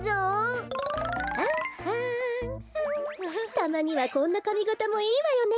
たまにはこんなかみがたもいいわよね。